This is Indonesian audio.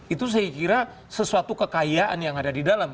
itu saya kira sesuatu kekayaan yang ada di dalam